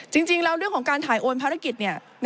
จริงแล้วเรื่องของการถ่ายโอนภารกิจ